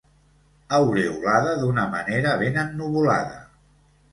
Aureolada d'una manera ben ennuvolada.